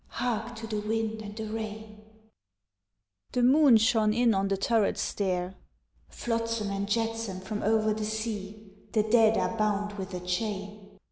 (Hark to the wind and the rain.) The moon shone in on the turret stair (_Flotsam and jetsam from over the sea, The dead are bound with a chain.